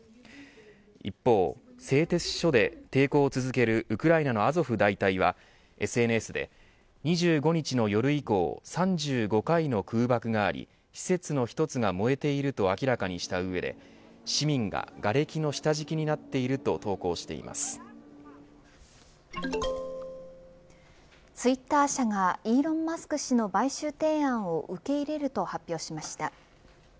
一方、製鉄所で抵抗を続けるウクライナのアゾフ大隊はＳＮＳで２５日の夜以降３５回の空爆があり施設の１つが燃えていると明らかにした上で市民が、がれきの下敷きにツイッター社がイーロン・マスク氏の買収提案を受け入れると発表しました。